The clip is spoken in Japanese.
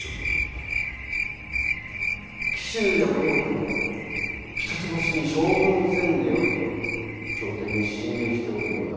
紀州や大奥も「一橋に将軍宣下を」と朝廷に進言しておるようだ。